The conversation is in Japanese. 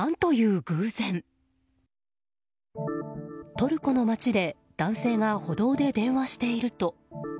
トルコの街で、男性が歩道で電話していると。